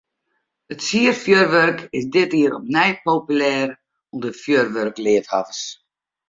It sierfjurwurk is dit jier opnij populêr ûnder fjurwurkleafhawwers.